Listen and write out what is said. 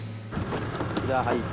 じゃあはい。